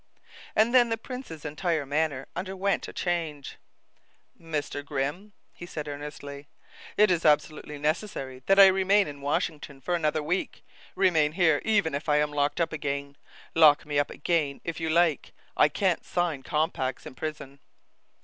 And then the prince's entire manner underwent a change. "Mr. Grimm," he said earnestly, "it is absolutely necessary that I remain in Washington for another week remain here even if I am locked up again lock me up again if you like. I can't sign compacts in prison."